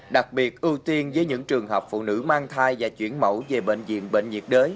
đặc biệt ưu tiên với những trường hợp phụ nữ mang thai và chuyển mẫu về bệnh viện bệnh nhiệt đới